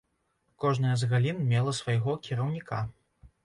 Кожная з галін мела свайго кіраўніка.